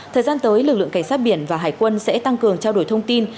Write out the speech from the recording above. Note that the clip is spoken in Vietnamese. thời gian tới lực lượng cảnh sát biển và hải quân sẽ tăng cường trao đổi thông tin